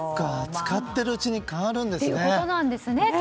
使っているうちに変わるんですね。